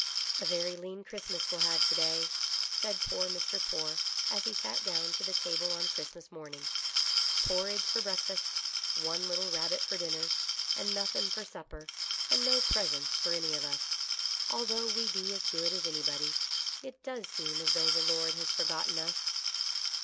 62 GOOD LUCK. " A very lean Christmas we'll have to day," said poor Mr. Poore as he sat down to the table on Christmas morning ;" porridge for breakfast, one little rabbit for dinner, and nothin' for supper, and no presents for any of us, although we be as good as anybody. It does seem as though the Lord had forgotten us."